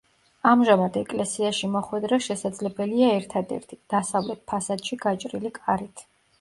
ამჟამად ეკლესიაში მოხვედრა შესაძლებელია ერთადერთი, დასავლეთ ფასადში გაჭრილი კარით.